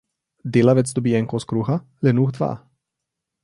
Delavec dobi en kos kruha, lenuh dva.